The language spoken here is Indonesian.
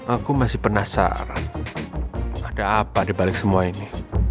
aku masih penasaran ada apa dibalik semua ini